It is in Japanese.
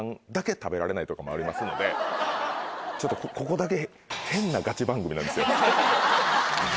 ちょっとここだけ。